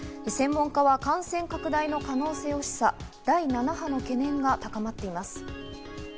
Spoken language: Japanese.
専門家は感染拡大の可能性を示唆、第７波の懸念が高まっています。